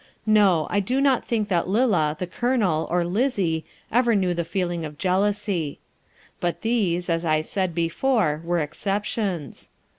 No! I do not think that Lillah, The Colonel, or Lizzie ever knew the feeling of jealousy. But these, as I said before, were exceptions.